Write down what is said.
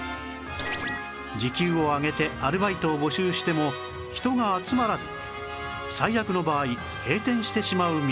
時給を上げてアルバイトを募集しても人が集まらず最悪の場合閉店してしまう店も